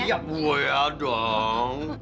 iya boleh dong